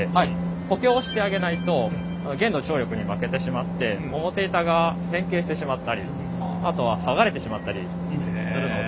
補強してあげないと弦の張力に負けてしまって表板が変形してしまったりあとは剥がれてしまったりするので。